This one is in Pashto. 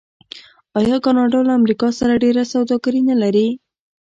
آیا کاناډا له امریکا سره ډیره سوداګري نلري؟